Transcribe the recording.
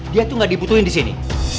dia tuh gak dibutuhin disini